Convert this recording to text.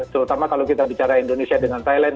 terutama kalau kita bicara indonesia dengan thailand